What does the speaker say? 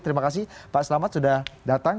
terima kasih pak selamat sudah datang